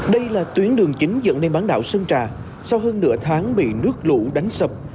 đây là tuyến đường chính dẫn đến bán đảo sơn trà sau hơn nửa tháng bị nước lũ đánh sập